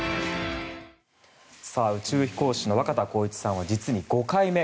宇宙飛行士の若田光一さんは実に５回目。